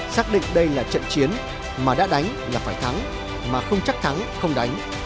xác định đây là trận chiến mà đã đánh là phải thắng mà không chắc thắng không đánh